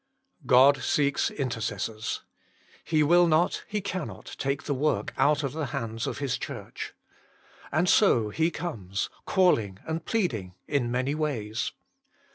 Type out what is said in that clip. God seeks intercessors. He will not, He cannot, take the work out of the hands of His Church. And so He comes, calling and pleading in many ways.